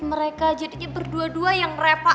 mereka jadinya berdua dua yang repot